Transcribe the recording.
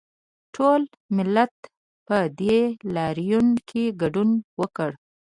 ټول ملت په دې لاریون کې ګډون وکړ